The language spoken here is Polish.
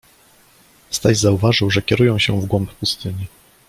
Staś zauważył, że kierują się w głąb pustyni.